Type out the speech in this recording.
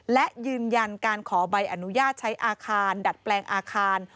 และยืนยันการขอใบอนุญาตใช้อาคารดัดแปลงอาคาร